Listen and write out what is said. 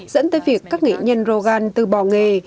dẫn tới việc các nghệ nhân rogan từ bỏ nghề